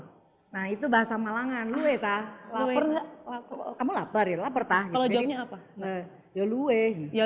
hai nah itu bahasa malangan luwetah kamu lapar lapar tak kalau jawabnya apa ya luwe ya